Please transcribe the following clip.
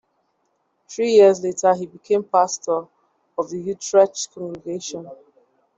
Three years later he became pastor of the Utrecht congregation.